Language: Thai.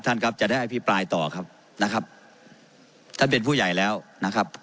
ท่านครับจะได้อภิปรายต่อครับนะครับท่านเป็นผู้ใหญ่แล้วนะครับ